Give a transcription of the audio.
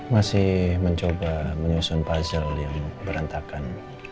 masih mencoba menyusun puzzle yang berantakan